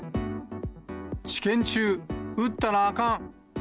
治験中射ったらあかん。